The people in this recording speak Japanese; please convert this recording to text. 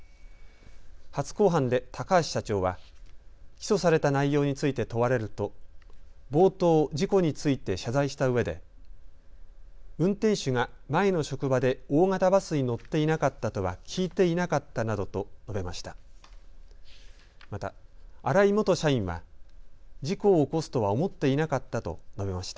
初公判で高橋社長は起訴された内容について問われると冒頭、事故について謝罪したうえで運転手が前の職場で大型バスに乗っていなかったとは聞いていなかったなどと述べました。